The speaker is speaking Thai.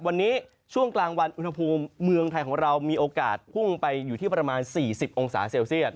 วันนี้ช่วงกลางวันอุณหภูมิเมืองไทยของเรามีโอกาสพุ่งไปอยู่ที่ประมาณ๔๐องศาเซลเซียต